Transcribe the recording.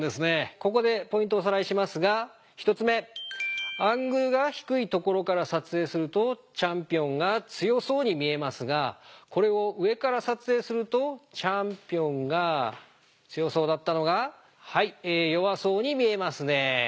ここでポイントをおさらいしますが１つ目アングルが低い所から撮影するとチャンピオンが強そうに見えますがこれを上から撮影するとチャンピオンが強そうだったのが弱そうに見えますね。